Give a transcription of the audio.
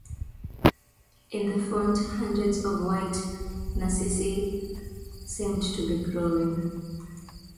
In the font hundreds of white narcissi seemed to be growing.